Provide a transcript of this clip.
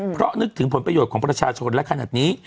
เพราะนึกถึงผลประโยชน์ของประชาชนและขนาดนี้